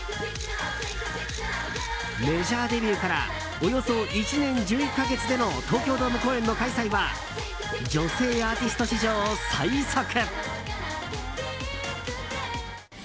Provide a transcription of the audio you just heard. メジャーデビューからおよそ１年１１か月での東京ドーム公演の開催は女性アーティスト史上最速。